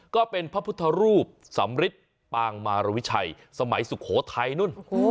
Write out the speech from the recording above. ก็เป็นพระพุทธรูปสำริทปางมารวิชัยสมัยสุโขทัยนู่น